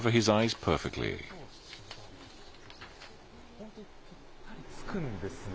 本当にぴったりつくんですね。